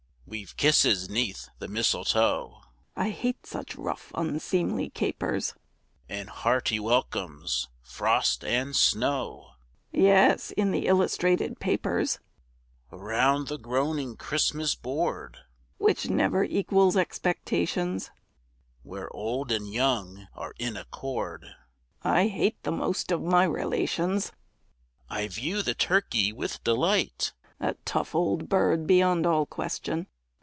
_) We've kisses 'neath the mistletoe (I hate such rough, unseemly capers!) And hearty welcomes, frost and snow; (Yes, in the illustrated papers.) Around the groaning Christmas board, (Which never equals expectations,) Where old and young are in accord (I hate the most of my relations!) I view the turkey with delight, (_A tough old bird beyond all question!